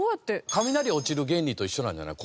雷落ちる原理と一緒なんじゃない？